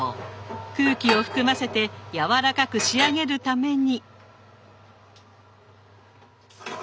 空気を含ませてやわらかく仕上げるために。